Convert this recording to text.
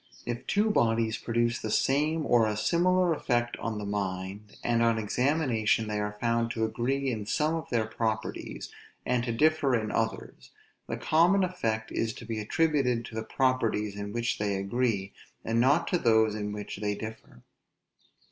If two bodies produce the same or a similar effect on the mind, and on examination they are found to agree in some of their properties, and to differ in others; the common effect is to be attributed to the properties in which they agree, and not to those in which they differ.